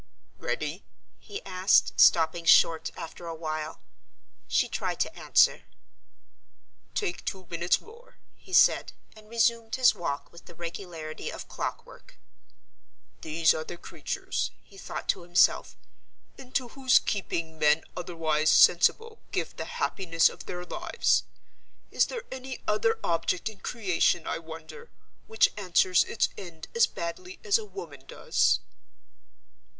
"Ready?" he asked, stopping short after a while. She tried to answer. "Take two minutes more," he said, and resumed his walk with the regularity of clock work. "These are the creatures," he thought to himself, "into whose keeping men otherwise sensible give the happiness of their lives. Is there any other object in creation, I wonder, which answers its end as badly as a woman does?"